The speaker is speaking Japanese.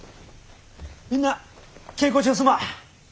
みんな稽古中すまん。